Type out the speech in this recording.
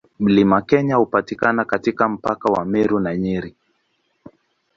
Mlima Kenya hupatikana katika mpaka wa Meru na Nyeri.